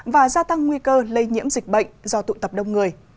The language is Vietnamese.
và gia tăng nguy cơ lây nhiễm dịch bệnh do tụ tập đông người